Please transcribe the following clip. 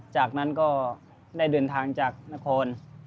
จากนั้นก็ได้เดินทางจากนคร